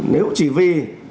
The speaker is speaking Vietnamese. nếu chỉ vì